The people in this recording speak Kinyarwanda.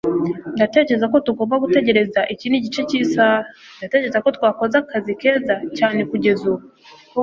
Ndatekereza ko tugomba gutegereza ikindi gice cy'isaha. Ndatekereza ko twakoze akazi keza cyane kugeza ubu.